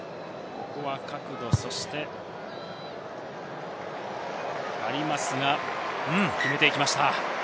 ここは角度、そして、ありますが、決めていきました。